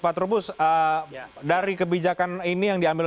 pak terubus dari kebijakan ini yang dianggap